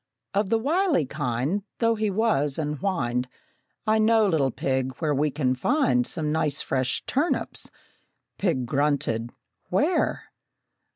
Of the wily kind, Though, he was, and he whined, "I know, little pig, where we can find Some nice fresh turnips!" Pig grunted, "Where?"